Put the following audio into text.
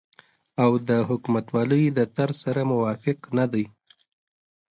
او حکومتولۍ د طرز سره موافق نه دي